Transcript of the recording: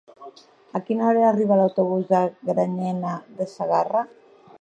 A quina hora arriba l'autobús de Granyena de Segarra?